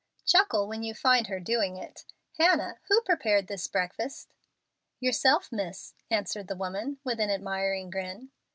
"Chuckle when you find her doing it. Hannah, who prepared this breakfast?" "Yourself, miss," answered the woman, with an admiring grin.